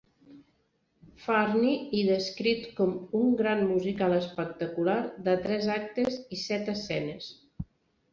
Farnie i descrit com "un gran musical espectacular de tres actes i set escenes".